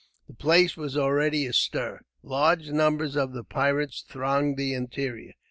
The place was already astir. Large numbers of the pirates thronged the interior.